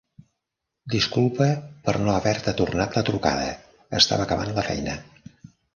Disculpa per no haver-te tornat la trucada. Estava acabant la feina.